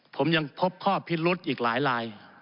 ผมยังพบข้อพิรุธอีกหลายลาย